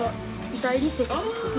大理石が。